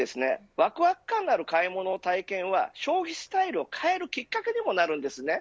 わくわく感のある買い物の体験は消費スタイルを変えるきっかけにもなるんです。